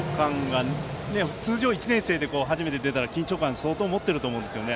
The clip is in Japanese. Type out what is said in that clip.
通常、１年生で初めて出たら緊張感を相当持っていると思うんですね。